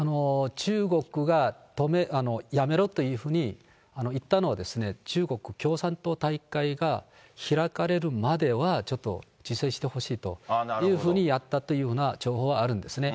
中国がやめろというふうに言ったのは、中国共産党大会が開かれるまでは、ちょっと自制してほしいというふうにやったというような情報はあるんですね。